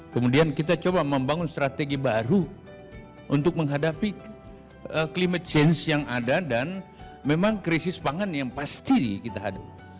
kemudian kita coba membangun strategi baru untuk menghadapi climate change yang ada dan memang krisis pangan yang pasti kita hadapi